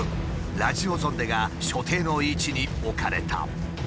ラジオゾンデが所定の位置に置かれた。